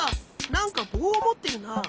なんかぼうをもってるな。